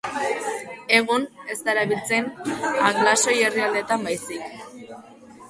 Egun, ez da erabiltzen anglosaxoi herrialdeetan baizik.